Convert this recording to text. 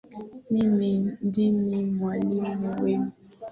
Mimi ndimi mwalimu wenu.